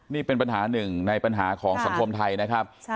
นี่เป็นปัญหาหนึ่งในปัญหาของสังคมไทยนะครับ